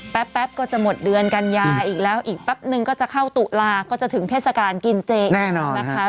แป๊บก็จะหมดเดือนกันยาอีกแล้วอีกแป๊บนึงก็จะเข้าตุลาก็จะถึงเทศกาลกินเจแน่นอนนะคะ